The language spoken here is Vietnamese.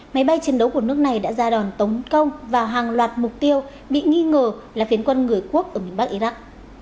máy bay chiến đấu của nước này đã ra đòn tống công vào hàng loạt mục tiêu bị nghi ngờ là phiến quân người quốc ở miền bắc iraq